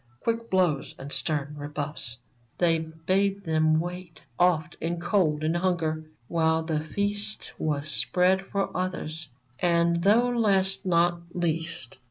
Quick blows and stern rebuffs. They bade them wait, Often in cold and hunger, while the feast Was spread for others, and, though last not least.